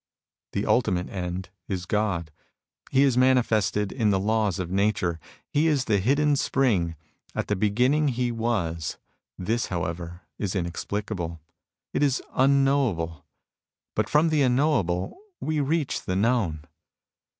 The ultimate end is God. He is manifested in the laws of nature. He is the hidden spring. At the beginning, he was. This, however, is inexplicable. It is unknowable. But from the unknowable we reach the known.